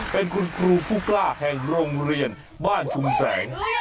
และคุณครู้สึกคือคุณร่าแห่งโรงเรียนบ้านชุมแสน